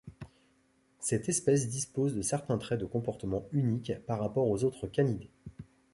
Cette espèce dispose de certains traits de comportements uniques par rapport aux autres canidés.